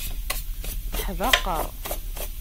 Teḥdaqer.